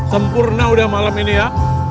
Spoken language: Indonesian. sempurna udah malam ini ya